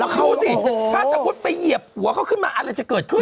เขาสิพาสะกดไปเหยียบหัวเขาขึ้นมาอะไรจะเกิดขึ้น